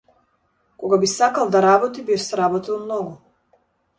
Кога би сакал да работи би сработил многу.